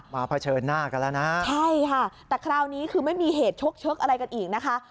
เผชิญหน้ากันแล้วนะใช่ค่ะแต่คราวนี้คือไม่มีเหตุชกอะไรกันอีกนะคะ